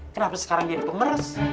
kenapa sekarang jadi pemeres